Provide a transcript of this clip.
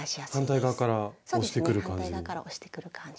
反対側から押してくる感じ？